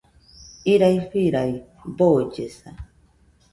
Irai firai, boollesa